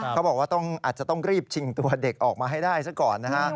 เขาบอกว่าอาจจะต้องรีบชิงตัวเด็กออกมาให้ได้ซะก่อนนะฮะ